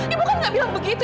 ibu kan nggak bilang begitu